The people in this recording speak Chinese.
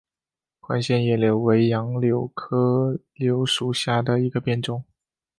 宽线叶柳为杨柳科柳属下的一个变种。